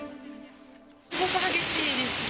すごく激しいですね。